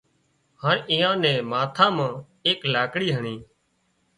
هانَ اين نين ماٿا مان ايڪ لاڪڙِي هڻي